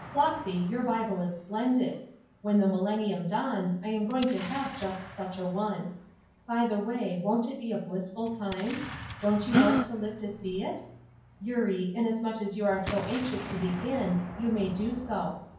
Flossy, your Bible is splendid; when the millennium dawns I am going to have just such a one. By the way, won't that be a blissful time? Don't you want to live to see it? Eurie, inasmuch as you are so anxious to begin, you may do so.